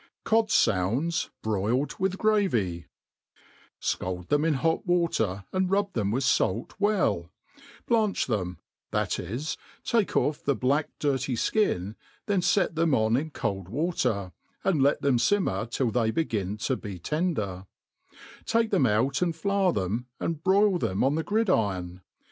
Q^ds fiunds broiled ioith Grenjy, SCALD them in hot water, and rub them with fak well ^ blanch them, that id, take ofF the blacked dirty (kitif then fet theia on in cold water, and let them fimmer till they begin to be ten* dex^ take them out and ftour them, and brioit them on tbe.grid' iron.